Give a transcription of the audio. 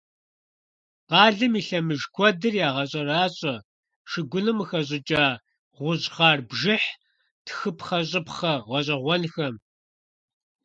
Къалэм и лъэмыж куэдыр ягъэщӀэращӀэ шыгуным къыхэщӀыкӀа гъущӀхъар бжыхь тхыпхъэщӀыпхъэ гъэщӀэгъуэнхэм.